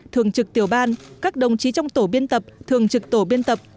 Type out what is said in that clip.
thường trực tiểu ban các đồng chí trong tổ biên tập thường trực tổ biên tập